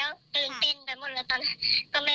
พาพหลุดไปเลยเขาก็ฮู้กับมันบ้างเขาจะจับทำผิวจะจับ